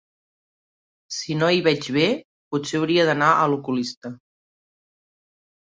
Si no hi veig bé, potser hauria d'anar a l'oculista.